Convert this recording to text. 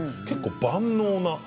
結構、万能な。